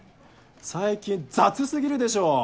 最近雑すぎるでしょ。